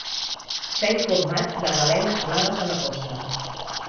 S'ha informat de balenes blaves a la costa.